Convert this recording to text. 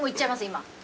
今。